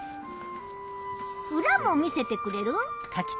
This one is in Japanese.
うらも見せてくれる？